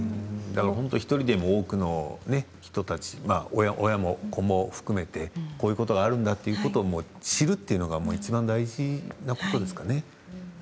１人でも多くの人たちが親も子も含めてこういうことがあるんだということを知るということがいちばん大事なことですかね。